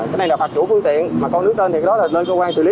cái này là phạt chủ phương tiện mà con dưới trên thì cái đó là nơi cơ quan xử lý